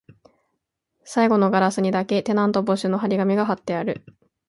最後のガラスにだけ、テナント募集の張り紙が張ってある